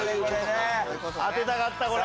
当てたかったこれ。